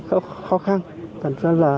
tập trung lại khó khăn